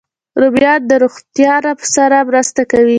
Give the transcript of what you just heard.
رومیان د روغتیا سره مرسته کوي